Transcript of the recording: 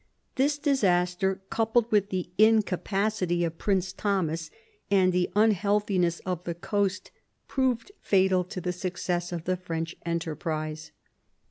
This disaster, coupled with the incapacity of Prince Thomas and the unhealthiness of the coast, proved fatal to the success of the French enterprise.